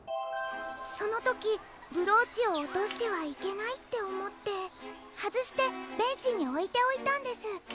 そのときブローチをおとしてはいけないっておもってはずしてベンチにおいておいたんです。